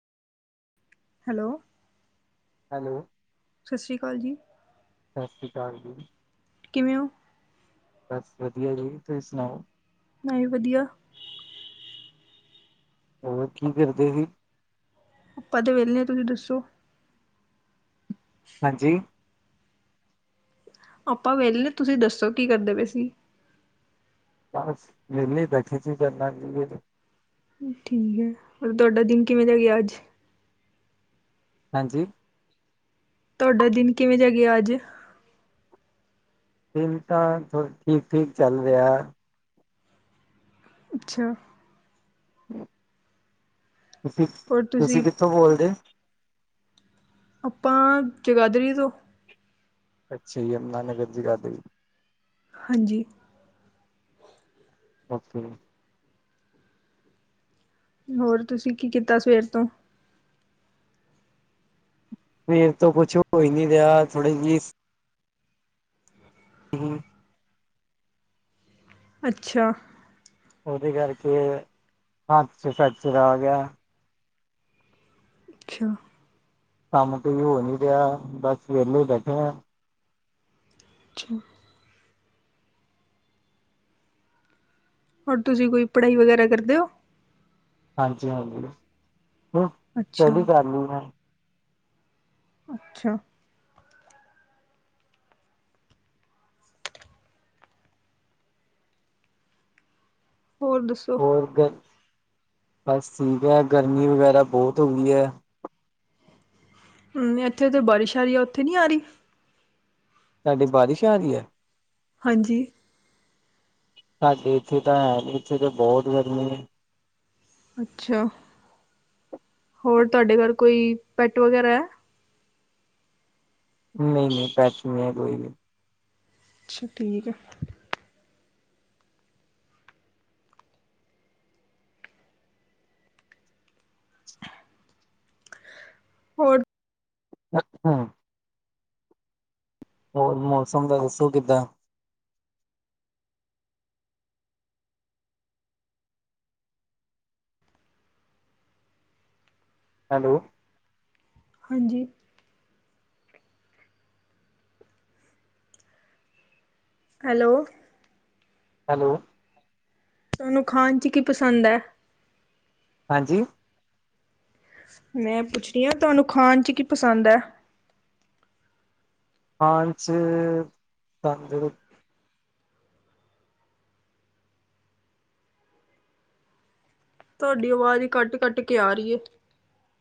Hello! Hello! Sat Sri ਅਕਾਲ ਜੀ। ਸਤਿ ਸ੍ਰੀ ਅਕਾਲ ਜੀ। ਕਿਵੇਂ ਔ? ਬਸ ਵਦੀਆਂ ਜੀ! ਤੁਸੀਂ ਸੁਣਾਓ। ਮੈ ਵੀ ਵਦੀਆ। ਹੋਰ! ਕੀ ਕਰਦੇ ਹੀ? ਆਪਾਂ ਤੇ ਵਿਹਲੇ ਆ, ਤੁਸੀਂ ਦੱਸੋ? ਹਾਂਜੀ। ਆਪਾਂ ਵਿਹਲੇ, ਤੁਸੀਂ ਦੱਸੋ ਕੀ ਕਰਦੇ ਪਏ ਸੀ? ਬਸ ਵਿਹਲੇ ਬੈਠੇ ਸੀ ਕਰਨਾ ਕੀ ਹੈ ਜੀ। ਠੀਕ ਹੈ, ਪਰ ਤੁਹਾਡਾ ਦਿਨ ਕਿਵੇਂ ਜਾ ਗਿਆ ਅੱਜ? ਹਾਂਜੀ। ਤੁਹਾਡਾ! ਦਿਨ ਕਿਵੇਂ ਜਾ ਗਿਆ ਅੱਜ? ਦਿਨ ਤਾਂ ਥੋੜਾ ਠੀਕ-ਠੀਕ ਚੱਲ ਰਿਹਾ। ਅੱਛਾ! ਤੁਸੀਂ! ਤੁਸੀਂ ਕਿੱਥੋਂ ਬੋਲਦੇ? ਆਪਾਂ ਜਗਾਦਰੀ ਤੋਂ। ਅੱਛਾ ਈ! ਯਮੁਨਾਨਗਰ ਜਗਾਦਰੀ। ਹਾਂਜੀ। ਓਕੇ ਜੀ। ਹੋਰ! ਤੁਸੀਂ ਕੀ ਕੀਤਾ ਸਵੇਰ ਤੋਂ। ਫੇਰ ਤੋਂ ਪੁੱਛੋ ਓ ਈ ਨੀ ਰਿਆ ਥੋੜੇ ਜਿਸ [inaudible] ਅੱਛਾ! ਉਦੇ ਕਰਕੇ ਹੱਥ ਚ ਫੇਕਚਰ ਆ ਗਿਆ। ਅੱਛਾ! ਕੰਮ ਕੋਈ ਹੋ ਨੀ ਰਿਆ, ਬਸ ਵੇਲੇ ਈ ਬੈਠੇ ਆ। ਛ! ਹੁਣ ਤੁਸੀਂ ਕੋਈ ਪੜਾਈ ਵਗੈਰਾ ਕਰਦੇ ਓ? ਹਾਂਜੀ-ਹਾਂਜੀ ਹੁ ਅੱਛਾ ਸਟਡੀ ਕਰਲੀ ਮੈ। ਅੱਛਾ! ਹੋਰ ਦੁਸ। ਹੋਰ ਗ ਬਸ ਠੀਕ ਐ ਗਰਮੀ ਵਗੈਰਾ ਬੌਤ ਹੋ ਗੀ ਐ। ਹੂੰ ਇੱਥੇ ਤੇ ਬਾਰਿਸ਼ ਆ ਰੀ ਆ ਓੱਥੇ ਨੀ ਆ ਰੀ। ਤੁਆਡੇ, ਬਾਰਿਸ਼ ਆ ਰੀ ਐ। ਹਾਂਜੀ। ਸਾਡੇ ਇੱਥੇ ਤਾਂ ਹੈਨੀ, ਇੱਥੇ ਤਾਂ ਬੌਤ ਗਰਮੀ ਏ। ਅੱਛਾ! ਹੋਰ! ਤੁਆਡੇ ਘਰ ਕੋਈ ਪੈੱਟ ਵਗੈਰਾ ਐ। ਨਈ-ਨਈ ਪੈੱਟ ਨੀ ਐਗੇ-ਐਗੇ। ਅੱਛਾ! ਠੀਕ ਏ। ਹੋਰ! ਅੱਛਾ! ਹੋਰ ਮੌਸਮ ਦਾ ਦੱਸੋ ਕਿੱਦਾਂ? ਹੈਲੋ। ਹਾਂਜੀ। ਹੈਲੋ। ਹੈਲੋ। ਤੁਆਨੂੰ ਖਾਣ ਚ ਕੀ ਪਸੰਦ ਐ। ਹਾਂਜੀ। ਮੈਂ ਪੁੱਛਨੀ ਆ ਤੁਆਨੂੰ ਖਾਣ ਚ ਕੀ ਪਸੰਦ ਐ। ਖਾਨ ਚ [unintelligible] ਤਵੈਡੀ ਆਵਾਜ਼ ਕੱਟ ਕੱਟ ਕੇ ਆ ਰੀ ਏ।